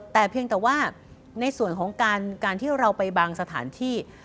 แต่เพียงแต่ว่าในส่วนของการที่เราไปบางสถานที่